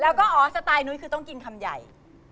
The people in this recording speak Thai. แล้วก็อ๋อสไตล์นุ้ยคือต้องกินคำใหญ่